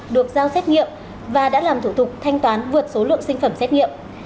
được giao xét nghiệm và đã làm thủ tục thanh toán vượt số lượng sinh phẩm xét nghiệm